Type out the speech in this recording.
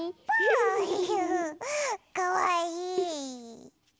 かわいい！